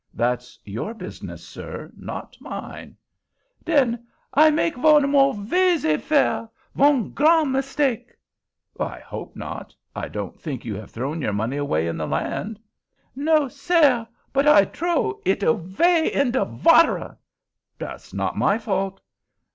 "That's your business, sir, not mine." "Den I make von mauvaise affaire—von gran mistake!" "I hope not. I don't think you have thrown your money away in the land." "No, sare; but I tro it avay in de vatare!" "That's not my fault."